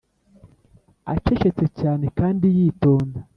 acecetse cyane kandi yitonda,